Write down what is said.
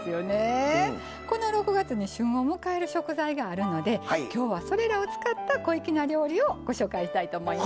この６月に旬を迎える食材があるのできょうはそれらを使った小粋な料理をご紹介したいと思います。